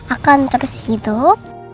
akan terus hidup